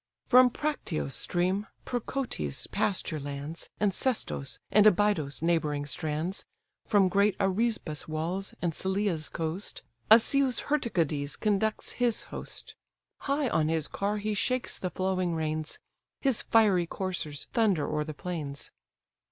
From Practius' stream, Percotè's pasture lands, And Sestos and Abydos' neighbouring strands, From great Arisba's walls and Sellè's coast, Asius Hyrtacides conducts his host: High on his car he shakes the flowing reins, His fiery coursers thunder o'er the plains.